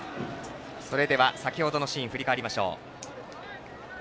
それでは先ほどのシーン振り返りましょう。